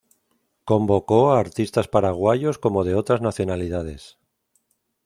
Convocó a artistas paraguayos como de otras nacionalidades.